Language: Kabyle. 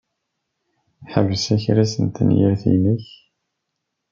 Ḥbes akras n tenyirt-nnek!